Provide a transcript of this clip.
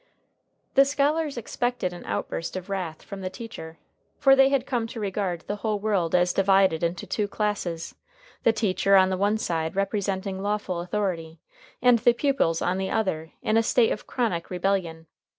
The scholars expected an outburst of wrath from the teacher. For they had come to regard the whole world as divided into two classes, the teacher on the one side representing lawful authority, and the pupils on the other in a state of chronic rebellion.